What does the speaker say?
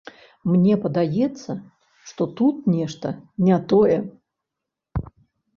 Мне падаецца, што тут нешта не тое.